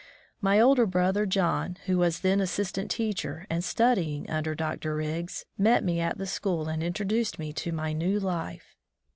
My older brother John, who was then assistant teacher and studying under Dr. Riggs, met me at the school and introduced me to my new life.